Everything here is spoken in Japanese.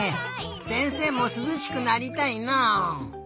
せんせいもすずしくなりたいな。